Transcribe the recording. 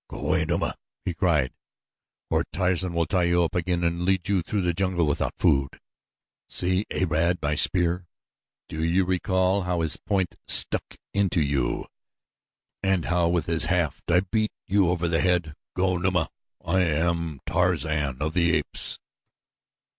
"Go away, Numa," he cried, "or Tarzan will tie you up again and lead you through the jungle without food. See Arad, my spear! Do you recall how his point stuck into you and how with his haft I beat you over the head? Go, Numa! I am Tarzan of the Apes!"